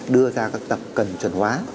đưa ra các tập cần chuẩn hóa